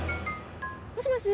もしもし。